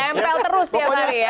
tempel terus ya pak yani ya